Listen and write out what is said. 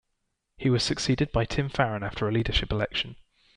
He was succeeded by Tim Farron after a leadership election.